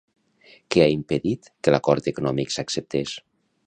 Què ha impedit que l'acord econòmic s'acceptés?